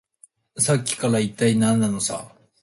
さっきから、いったい何なのさ。